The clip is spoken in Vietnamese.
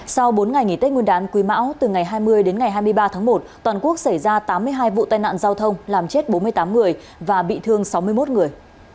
sau bốn ngày nghỉ tết nguyên đán quý mão từ ngày hai mươi đến ngày hai mươi ba tháng một toàn quốc xảy ra tám mươi hai vụ tai nạn giao thông làm chết bốn mươi tám người và bị thương sáu mươi một người